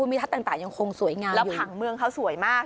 มีทัศน์ต่างยังคงสวยงามแล้วผังเมืองเขาสวยมาก